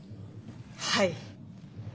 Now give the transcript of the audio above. はい！